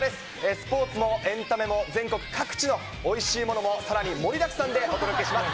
スポーツもエンタメも、全国各地のおいしいものも、さらに盛りだくさんでお届けします。